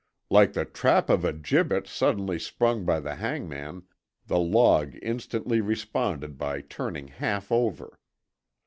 Like the trap of a gibbet suddenly sprung by the hangman, the log instantly responded by turning half over.